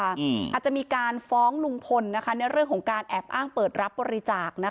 อาจจะมีการฟ้องลุงพลนะคะในเรื่องของการแอบอ้างเปิดรับบริจาคนะคะ